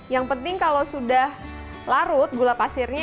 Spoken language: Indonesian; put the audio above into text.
yang penting kalau sudah larut gula pasirnya